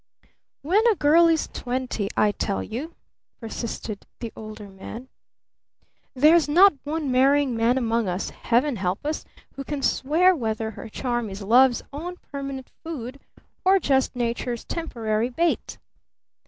"When a girl is twenty, I tell you," persisted the Older Man "there's not one marrying man among us Heaven help us! who can swear whether her charm is Love's own permanent food or just Nature's temporary bait!